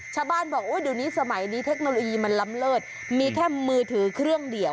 ชาวบ้านบอกเดี๋ยวนี้สมัยนี้เทคโนโลยีมันล้ำเลิศมีแค่มือถือเครื่องเดียว